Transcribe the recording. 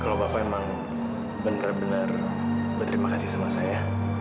kalau bapak emang benar benar berterima kasih sama saya